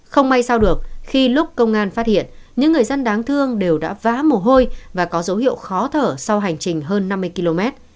không may sau được khi lúc công an phát hiện những người dân đáng thương đều đã vá mồ hôi và có dấu hiệu khó thở sau hành trình hơn năm mươi km